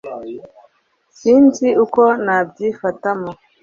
sinzi uko nabyifatamo